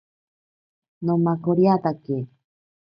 Nomakoriatake.